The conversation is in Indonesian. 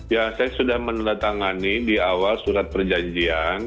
ya saya sudah menelatangani di awal surat perjanjian